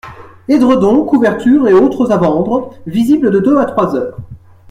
Édredons, couvertures et autres à vendre, visible de deux à trois heures.